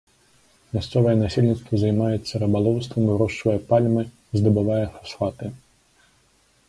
Мясцовае насельніцтва займаецца рыбалоўствам, вырошчвае пальмы, здабывае фасфаты.